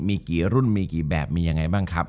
มีกี่รุ่นมีกี่แบบมียังไงบ้างครับ